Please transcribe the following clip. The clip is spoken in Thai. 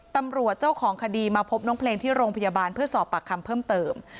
ตำรวจเจ้าของคดีมาพบน้องเพลงที่โรงพยาบาลเพื่อสอบปากคำเพิ่มเติม